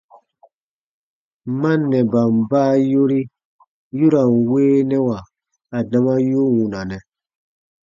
Mannɛban baa yori yu ra n weenɛwa adama yu wunanɛ.